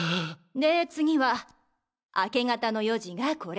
で次は明け方の４時がこれ。